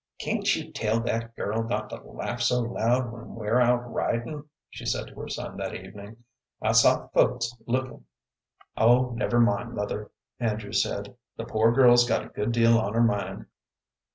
"Can't you tell that girl not to laugh so loud when we're out ridin'," she said to her son that evening; "I saw folks lookin'." "Oh, never mind, mother," Andrew said; "the poor girl's got a good deal on her mind."